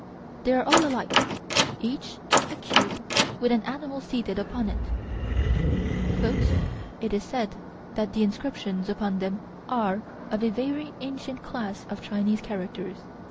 They are all alike: each a cube with an animal seated upon it. "It is said that the inscriptions upon them are of a very ancient class of Chinese characters."